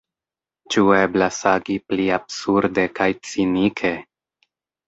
Ĉu eblas agi pli absurde kaj cinike?